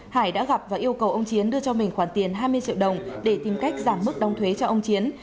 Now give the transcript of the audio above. hải đã gặp và yêu cầu ông chiến đưa cho mình khoản tiền hai mươi triệu đồng để tìm cách giảm mức đóng thuế cho ông chiến